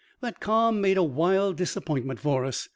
That calm made a wild disappointment for us.